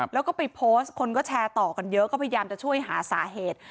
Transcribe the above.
แล้วก็ไปโพสต์คนก็แชร์ต่อกันเยอะก็พยายามจะช่วยหาสาเหตุ